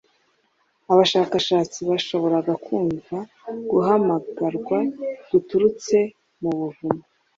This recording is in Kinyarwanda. Abashakashatsi bashoboraga kumva guhamagarwa guturutse mu buvumo